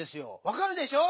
わかるでしょ？